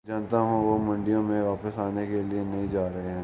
میں جانتا ہوں وہ منڈیوں میں واپس آنے کے لیے نہیں جا رہے ہیں